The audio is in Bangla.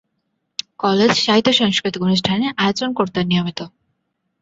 কলেজ সাহিত্য-সাংস্কৃতিক অনুষ্ঠানের আয়োজন করতেন নিয়মিত।